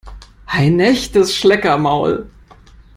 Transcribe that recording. Ein echtes Schleckermaul!